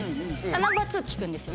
Ｎｏ．２聞くんですよ